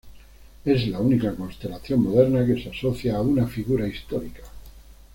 Es la única constelación moderna que se asocia a una figura histórica.